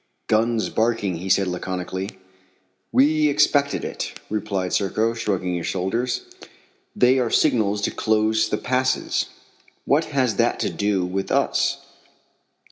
"Guns barking," he said laconically. "We expected it," replied Serko, shrugging his shoulders. "They are signals to close the passes." "What has that to do with us?"